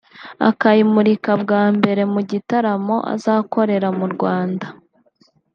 akayimurika bwa mbere mu gitaramo azakorera mu Rwanda